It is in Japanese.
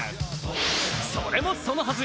それもそのはず。